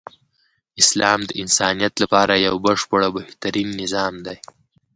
اسلام د انسانیت لپاره یو بشپړ او بهترین نظام دی .